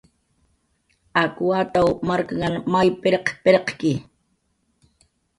Ak wataw marknhan may pirq pirqki